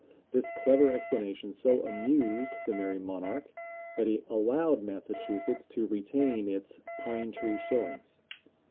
This clever explanation so amused the merry monarch that he allowed Massachusetts to retain its "pine tree shillings."